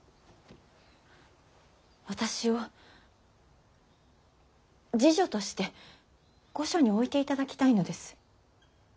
私を侍女として御所に置いていただきたいのです。